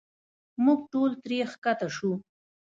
موږ ټول ترې ښکته شو.